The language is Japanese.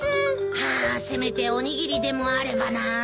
ハァせめておにぎりでもあればなあ。